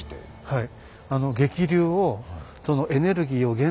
はい。